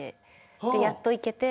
でやっと行けて。